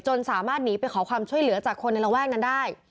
สามารถหนีไปขอความช่วยเหลือจากคนในระแวกนั้นได้